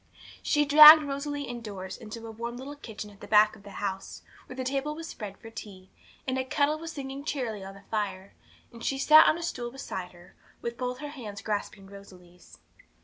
She dragged Rosalie indoors into a warm little kitchen at the back of the house, where the table was spread for tea, and a kettle was singing cheerily on the fire; and she sat on a stool beside her, with both her little hands grasping Rosalie's.